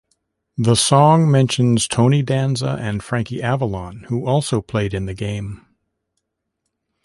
The song mentions Tony Danza and Frankie Avalon, who also played in the game.